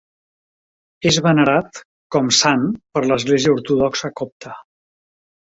És venerat com sant per l'Església Ortodoxa Copta.